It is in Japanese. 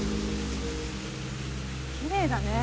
きれいだね。